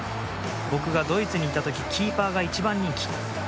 僕がドイツにいた時キーパーが一番人気。